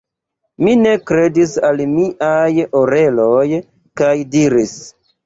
Mi ne kredis al miaj oreloj kaj diris: